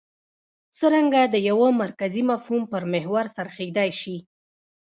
څرنګه د یوه مرکزي مفهوم پر محور څرخېدای شي.